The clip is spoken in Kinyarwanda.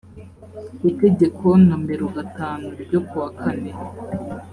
itegeko nomero gatanu ryo kuwa kane